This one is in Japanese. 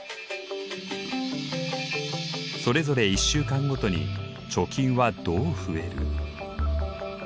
それぞれ１週間ごとに貯金はどう増える？